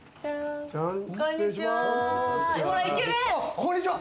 こんにちは。